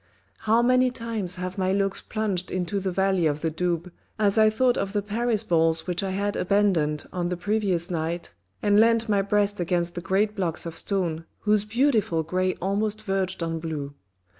How many times have my looks plunged into the valley of the Doubs, as I thought of the Paris balls which I had abandoned on the previous night, and leant my breast against the great blocks of stone, whose beautiful grey almost verged on blue.